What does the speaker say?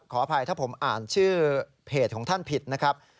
ขออภัยถ้าผมอ่านชื่อเพจของท่านผิดนะครับ